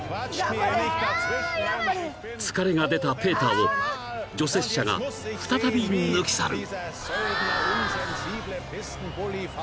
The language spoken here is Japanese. ［疲れが出たペーターを除雪車が再び抜き去る］